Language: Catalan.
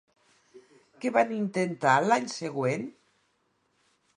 Què van intentar l'any següent?